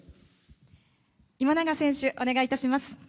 今永選手、お願いいたします。